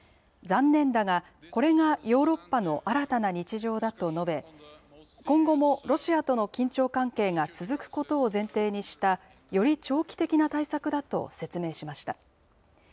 残念だが、これがヨーロッパの新たな日常だと述べ、今後もロシアとの緊張関係が続くことを前提にした、より長期的な対策だと説明しました。